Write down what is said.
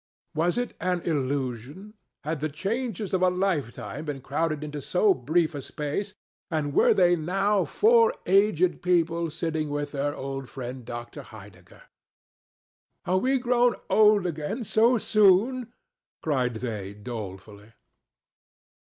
Was it an illusion? Had the changes of a lifetime been crowded into so brief a space, and were they now four aged people sitting with their old friend Dr. Heidegger? "Are we grown old again so soon?" cried they, dolefully.